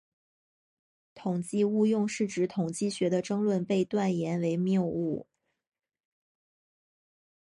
统计误用是指统计学的争论被断言为谬误。